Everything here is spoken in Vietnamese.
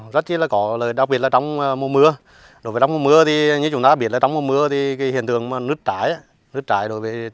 đặc biệt là trong mùa mưa hiện thường nứt trải